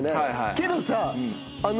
けどさ。